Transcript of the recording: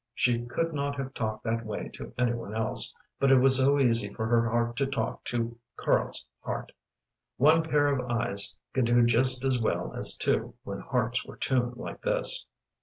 She could not have talked that way to any one else, but it was so easy for her heart to talk to Karl's heart. One pair of eyes could do just as well as two when hearts were tuned like this!